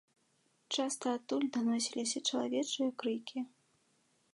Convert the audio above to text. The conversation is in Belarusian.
Часта адтуль даносіліся чалавечыя крыкі.